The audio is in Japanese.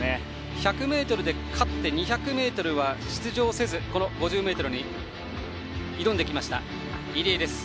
１００ｍで勝って２００ｍには出場せずこの５０ｍに挑んできました入江。